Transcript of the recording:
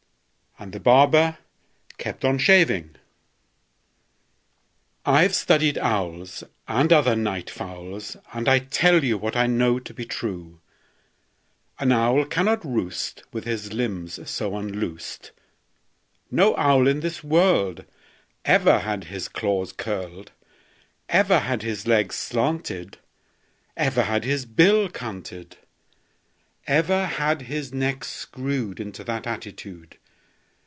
And the barber kept on shaving. "I've studied owls, And other night fowls, And I tell you What I know to be true: An owl cannot roost With his limbs so unloosed; No owl in this world Ever had his claws curled, Ever had his legs slanted, Ever had his bill canted, Ever had his neck screwed Into that attitude.